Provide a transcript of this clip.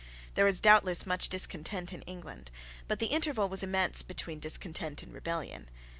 There was doubtless much discontent in England: but the interval was immense between discontent and rebellion.